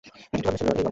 একটা বদমাইশ ছিল এই লোক!